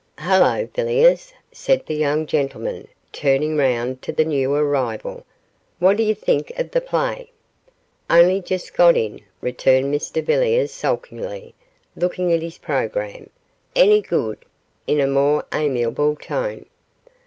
'Hullo, Villiers!' said this young gentleman, turning round to the new arrival, 'what d'ye think of the play?' 'Only just got in,' returned Mr Villiers, sulkily, looking at his programme. 'Any good?' in a more amiable tone.